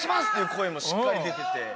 声もしっかり出てて。